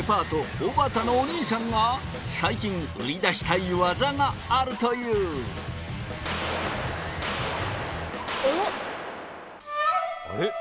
おばたのお兄さんが最近売り出したい技があるというあれ？